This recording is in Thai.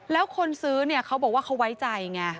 แล้วคนซื้อเนี่ยเขาบอกว่าเขาไว้ใจไง